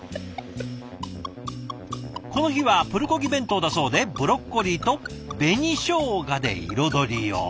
この日はプルコギ弁当だそうでブロッコリーと紅生姜で彩りを。